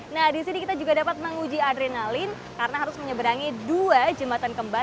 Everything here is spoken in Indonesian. nah di sini kita juga dapat menguji adrenalin karena harus menyeberangi dua jembatan kembar